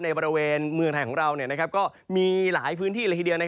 ในบริเวณเมืองไทยของเราก็มีหลายพื้นที่เลยทีเดียว